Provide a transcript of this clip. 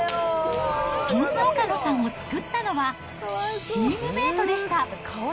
そんな岡野さんを救ったのは、チームメートでした。